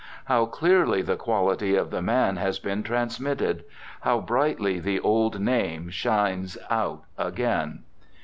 How clearly the quality of the man has been transmitted! How brightly the old name shines out again!